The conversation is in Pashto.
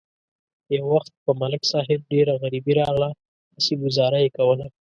یو وخت په ملک صاحب ډېره غریبي راغله، هسې گذاره یې کوله.